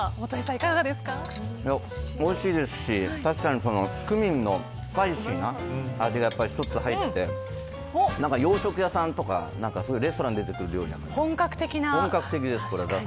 おいしいですし確かにクミンのスパイシーな味がちょっと入って洋食屋さんとか、そういうレストランで出てくる料理みたいな本格的です。